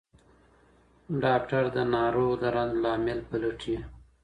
ډاکټر د ناروغ د رنځ لامل پلټي.